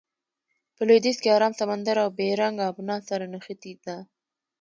په لویدیځ کې ارام سمندر او بیرنګ آبنا سره نښتې ده.